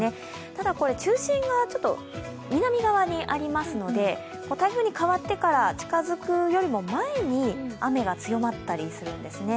ただ、中心が南側にありますので、台風に変わってから近づくよりも前に雨が強まったりするんですね。